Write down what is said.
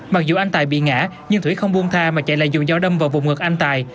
mặc dù anh tài bị ngã nhưng thủy không buông tha mà chạy lại dùng dao đâm vào vùng ngực anh tài